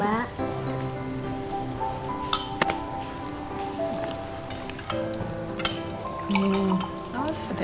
terima kasih kiki